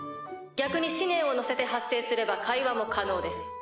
逆に思念を乗せて発声すれば会話も可能です。